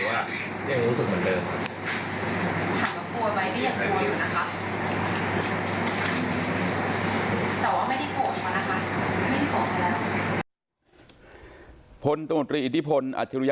แต่ว่าไม่ได้กลัวไปค่ะไม่ได้กลัวไปแล้ว